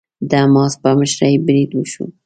د حماس په مشرۍ بريد وشو.